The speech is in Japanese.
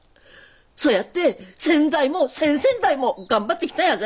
そうやって先代も先々代も頑張ってきたんやぜ。